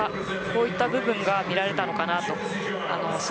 こういった部分が見られたのかなと思います。